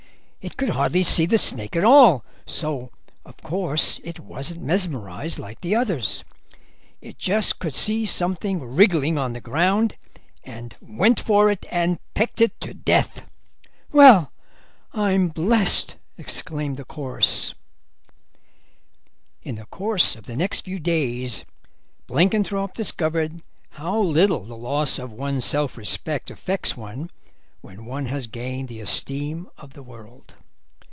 It could hardly see the snake at all, so of course it wasn't mesmerised like the others. It just could see something wriggling on the ground, and went for it and pecked it to death." "Well, I'm blessed!" exclaimed the chorus. In the course of the next few days Blenkinthrope discovered how little the loss of one's self respect affects one when one has gained the esteem of the world.